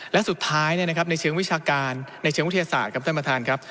และสุดท้ายในเชิงวิชาการในเชิงวิทยาศาสตร์